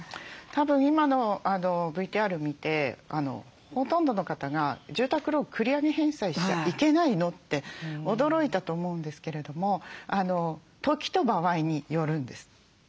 たぶん今のＶＴＲ見てほとんどの方が住宅ローン繰り上げ返済しちゃいけないの？って驚いたと思うんですけれども時と場合によるんです。